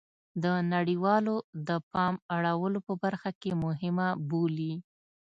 د نړیواله د پام اړولو په برخه کې مهمه بولي